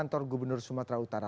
kantor gubernur sumatra utara